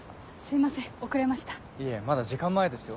いえまだ時間前ですよ。